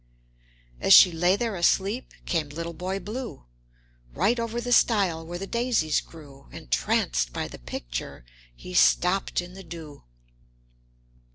As she lay there asleep, came little Boy Blue, Right over the stile where the daisies grew; Entranced by the picture, he stopped in the dew.